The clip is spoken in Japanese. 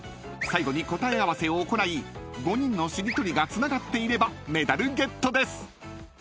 ［最後に答え合わせを行い５人のしりとりがつながっていればメダルゲットです］